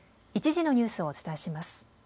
１時のニュースをお伝えします。